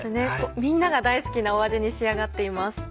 みんなが大好きなお味に仕上がっています。